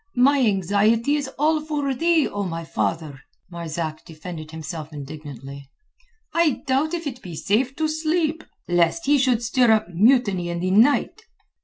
"My anxiety is all for thee, O my father," Marzak defended himself indignantly. "I doubt if it be safe to sleep, lest he should stir up mutiny in the night."